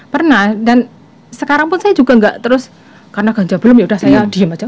pernah dan sekarang pun saya juga nggak terus karena ganja belum yaudah saya diem aja